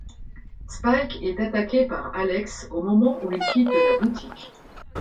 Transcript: Spike est attaqué par Alex au moment où il quitte la boutique.